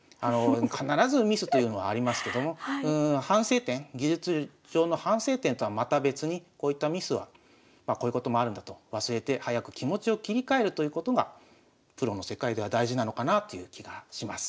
必ずミスというのはありますけども反省点技術上の反省点とはまた別にこういったミスはまあこういうこともあるんだと忘れて早く気持ちを切り替えるということがプロの世界では大事なのかなという気がします。